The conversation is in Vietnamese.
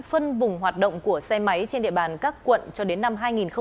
phân vùng hoạt động của xe máy trên địa bàn các quận cho đến năm hai nghìn hai mươi